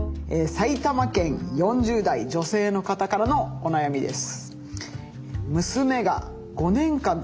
埼玉県４０代女性の方からのお悩みです。